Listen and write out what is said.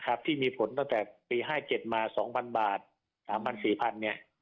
ครับที่มีผลตั้งแต่ปีห้าเจ็ดมาสองพันบาทสามพันสี่พันเนี้ย